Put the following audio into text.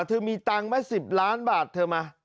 เธอมีตังค์ไหม๑๐ล้านบาทเธอมา